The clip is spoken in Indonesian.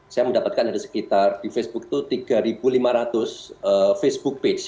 saya mendapatkan dari sekitar di facebook itu tiga lima ratus facebook page